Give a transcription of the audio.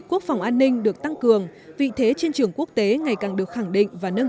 quốc phòng an ninh được tăng cường vị thế trên trường quốc tế ngày càng được khẳng định và nâng